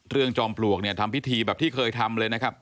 จอมปลวกเนี่ยทำพิธีแบบที่เคยทำเลยนะครับ